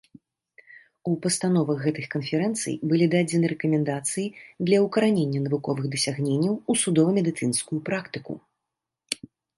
У пастановах гэтых канферэнцый былі дадзены рэкамендацыі для ўкаранення навуковых дасягненняў у судова-медыцынскую практыку.